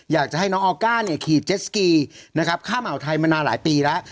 อยากจะให้น้องออก้าเนี่ยขี่เจสกีนะครับข้ามอ่าวไทยมานานหลายปีแล้ว